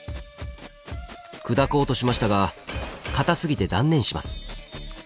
砕こうとしましたが硬すぎて断念します。